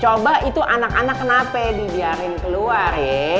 coba itu anak anak kenapa dibiarin keluar ya